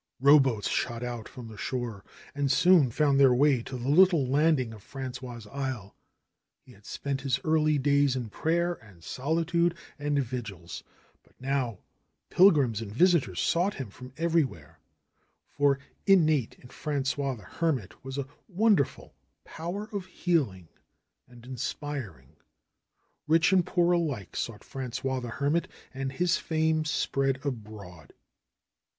Rowboats shot out from the shore and soon found their way to the little landing of Frangois' isle. He had spent his early days in prayer, and solitude, and 50 THE HERMIT OF SAGUENAY vigils. But now pilgrims and visitors sought him from everywhere, for innate in Frangois the Hermit was a wonderful power of healing and inspiring. Rich and poor alike sought Frangois the Hermit, and his fame spread abroad.